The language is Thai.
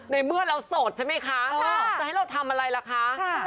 ในเมื่อเราโสดใช่ไหมคะจะให้เราทำอะไรล่ะคะ